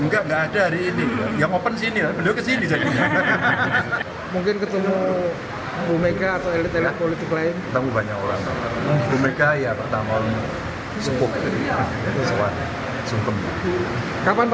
kapan pak rencana soal kemuliaan